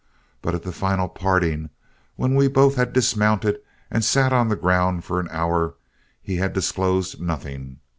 But at the final parting, when we both had dismounted and sat on the ground for an hour, he had disclosed nothing.